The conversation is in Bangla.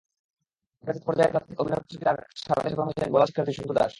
কলেজ পর্যায়ে তাৎক্ষণিক অভিনয় প্রতিযোগিতায় সারা দেশে প্রথম হয়েছেন ভোলার শিক্ষার্থী সন্তু দাস।